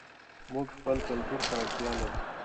موږ خپل کلتور ته اړتیا لرو.